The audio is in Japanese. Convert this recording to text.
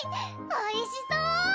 おいしそ！